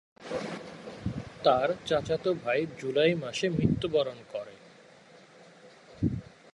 তার চাচাতো ভাই জুলাই মাসে মৃত্যুবরণ করে।